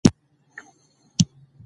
دا یو برخلیک ټاکونکې دوره وه.